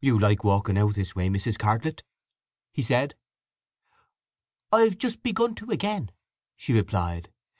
"You like walking out this way, Mrs. Cartlett?" he said. "I've just begun to again," she replied.